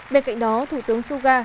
bên cạnh đó thủ tướng suga